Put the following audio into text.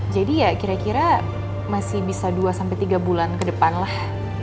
jadi ya kira kira masih bisa dua tiga bulan ke depan lah